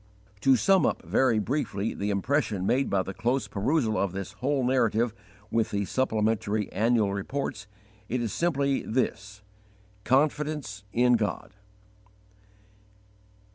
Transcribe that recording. To sum up very briefly the impression made by the close perusal of this whole narrative with the supplementary annual reports, it is simply this: CONFIDENCE IN GOD.